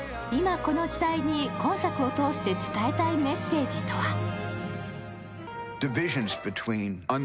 今この時代に今作を通して伝えたいメッセージとは。